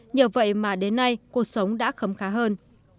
nhờ vậy mà đến nay cuộc sống đã khấm khá hơn